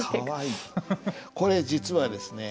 これ実はですね